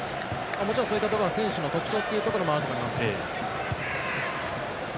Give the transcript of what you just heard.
もちろん、そういったところは選手の特徴というところもあると思います。